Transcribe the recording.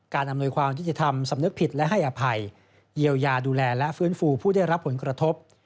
อำนวยความยุติธรรมสำนึกผิดและให้อภัยเยียวยาดูแลและฟื้นฟูผู้ได้รับผลกระทบ